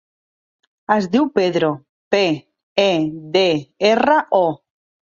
Es diu Pedro: pe, e, de, erra, o.